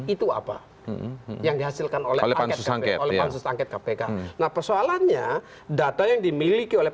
itu apa yang dihasilkan oleh angket angket kpk nah persoalannya data yang dimiliki oleh